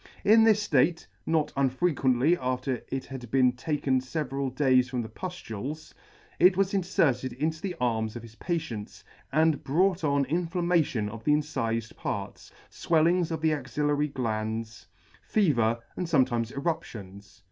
In this Hate (not un frequently after it had been taken feveral days from the puflules) it was inferted into the arms of his patients, and brought on inflammation of the incifed parts, fwellings of the axillary glands, fever, and fometimes eruptions.